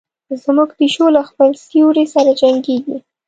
زموږ پیشو له خپل سیوري سره جنګیږي.